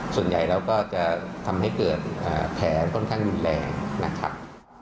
ส่วนใหญ่แล้วก็จะทำให้เกิดแผลค่อนข้างรุนแรงนะครับ